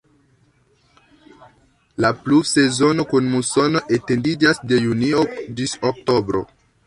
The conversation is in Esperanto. La pluvsezono kun musono etendiĝas de junio ĝis oktobro.